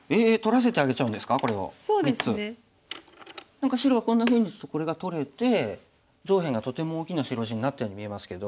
何か白がこんなふうに打つとこれが取れて上辺がとても大きな白地になったように見えますけど。